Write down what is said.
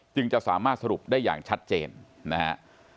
จะสามารถสรุปได้อย่างชัดเจนนะฮะ